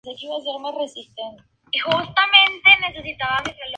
Sin embargo, no todo será mostrar el producto local.